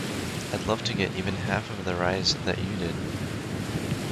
I'd love to get even half of the rise that you did.